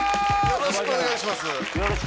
よろしくお願いします